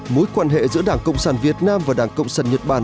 mối quan hệ giữa đảng cộng sản việt nam và đảng cộng sản nhật bản